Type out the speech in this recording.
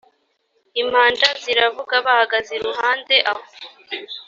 impanda ziravuga bahagaze iruhande aho